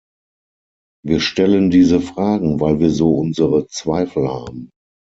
Wir stellen diese Fragen, weil wir so unsere Zweifel haben.